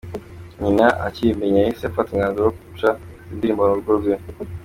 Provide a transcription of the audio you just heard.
Nyina akibimenya yahise afata umwanzuro wo guca izi ndirimbo mu rugo rwe.